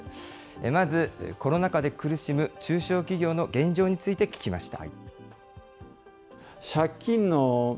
まずコロナ禍で苦しむ中小企業の現状について聞きました。